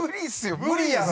無理やろ？